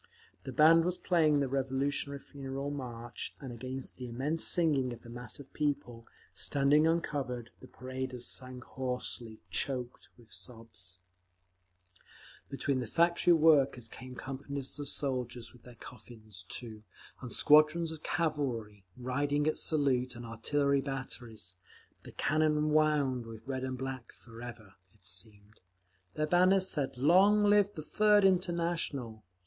The band was playing the Revolutionary Funeral March, and against the immense singing of the mass of people, standing uncovered, the paraders sang hoarsely, choked with sobs…. Between the factory workers came companies of soldiers with their coffins, too, and squadrons of cavalry, riding at salute, and artillery batteries, the cannon wound with red and black—forever, it seemed. Their banners said, "Long live the Third International!"